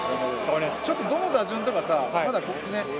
ちょっとどの打順とかさまだね。